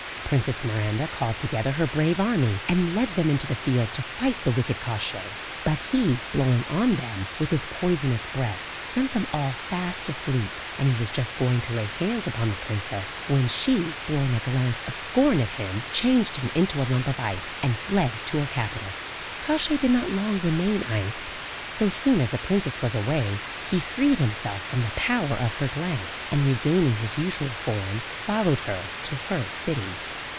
Princess Miranda called together her brave army, and led them into the field, to fight the wicked Kosciey. But he, blowing on them with his poisonous breath, sent them all fast asleep, and he was just going to lay hands upon the princess, when she, throwing a glance of scorn at him, changed him into a lump of ice, and fled to her capital. Kosciey did not long remain ice. So soon as the princess was away, he freed himself from the power of her glance, and regaining his usual form, followed her to her city.